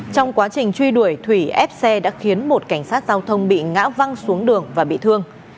trong quá trình truy đuổi thủy ép xe đã khiến một cảnh sát giao thông bị ngã văng xuống đường và bị thương